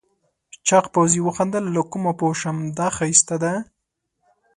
چاغ پوځي وخندل له کومه پوه شم دا ښایسته ده؟